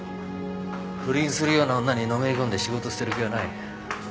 不倫するような女にのめりこんで仕事捨てる気はない。